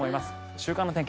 週間の天気